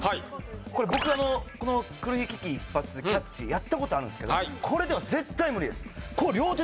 これ僕黒ひげ危機一発キャッチやったことあるんですけどこれでは絶対無理です